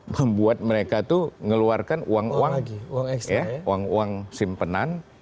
membuat mereka itu mengeluarkan uang uang simpenan